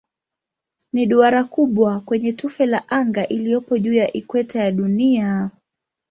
Ni duara kubwa kwenye tufe la anga iliyopo juu ya ikweta ya Dunia.